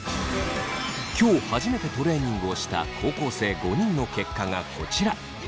今日初めてトレーニングをした高校生５人の結果がこちら。